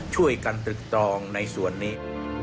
ช่วยกันตึกตรองในส่วนนี้